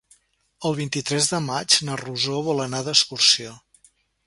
El vint-i-tres de maig na Rosó vol anar d'excursió.